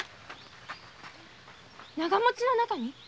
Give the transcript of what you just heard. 長持ちの中に？